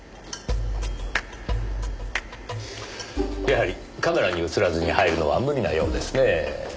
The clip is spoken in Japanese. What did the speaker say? やはりカメラに映らずに入るのは無理なようですねぇ。